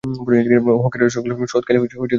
হকের রসোগোল্লার সোয়াদ খাইলে ভোলার উপায় নাই।।